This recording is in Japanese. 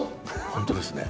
本当ですね？